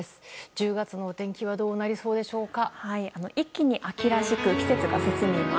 １０月のお天気はどうなりそうでしょうか。